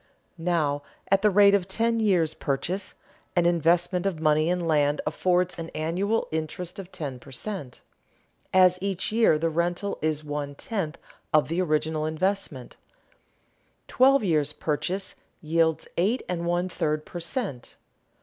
Now at the rate of "ten years' purchase" an investment of money in land affords an annual interest of ten per cent., as each year the rental is one tenth of the original investment; twelve years' purchase yields eight and one third per cent.